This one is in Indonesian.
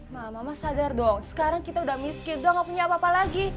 ma mama sadar dong sekarang kita udah miskin dong nggak punya apa apa lagi